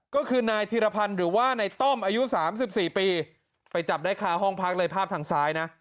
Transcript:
ก็คือนายธีรพันธ์หรือว่านายต้อมอายุ๓๔ปีไปจับได้คาห้องพักเลยภาพทางซ้ายนะ